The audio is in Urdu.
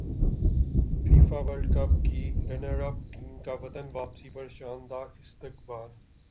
فیفاورلڈ کپ کی رنراپ ٹیم کا وطن واپسی پر شاندار استقبال